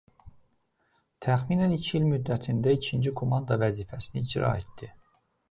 Təxminən iki il müddətində ikinci komandan vəzifəsini icra etdi.